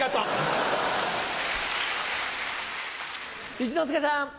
一之輔さん。